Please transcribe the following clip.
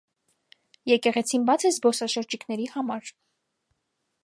Եկեղեցին բաց է զբոսաշրջիկների համար։